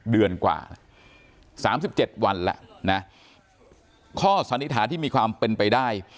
เดือนกว่าสามสิบเจ็ดวันแล้วนะข้อสนิทหาที่มีความเป็นไปได้